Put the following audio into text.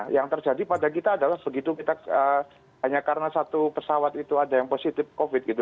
yang terjadi pada kita adalah begitu kita hanya karena satu pesawat itu ada yang positif covid gitu